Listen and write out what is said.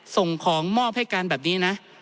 ส่งของมอบให้กันแบบนี้นะ